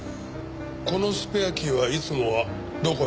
このスペアキーはいつもはどこに？